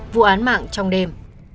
vụ án mạng trong đêm